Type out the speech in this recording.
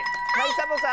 サボさん。